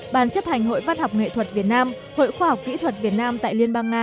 bàn chấp hành hội văn học nghệ thuật việt nam hội khoa học kỹ thuật việt nam tại liên bang nga